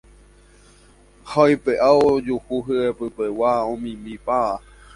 Ha oipe'ávo ojuhu hyepypegua omimbipáva.